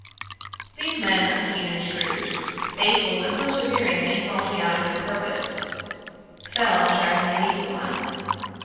These men are keen and shrewd; faithful and persevering in following out a good purpose, fell in tracking an evil one.